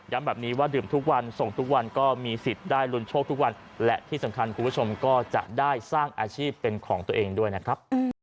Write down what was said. แบบนี้ว่าดื่มทุกวันส่งทุกวันก็มีสิทธิ์ได้ลุ้นโชคทุกวันและที่สำคัญคุณผู้ชมก็จะได้สร้างอาชีพเป็นของตัวเองด้วยนะครับ